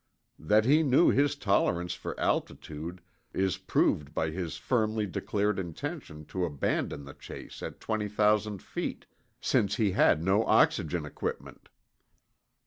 That he knew his tolerance for altitude is proved by his firmly declared intention to abandon the chase at 20,000 feet, since he had no oxygen equipment.